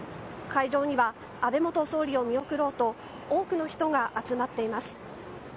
会場には安倍元総理を見送ろうと多くの人が集まっています。